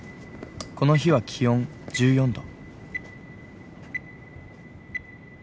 この日は気温１４度。